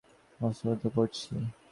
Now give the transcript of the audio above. আমরা ভেতরে খাবার পাঠানোর বন্দোবস্ত করছি।